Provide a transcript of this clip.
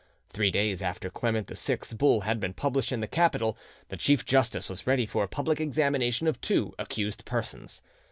Three days after Clement VI's bull had been published in the capital, the chief justice was ready for a public examination of two accused persons.